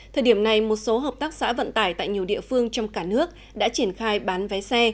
thời điểm này một số hợp tác xã vận tải tại nhiều địa phương trong cả nước đã triển khai bán vé xe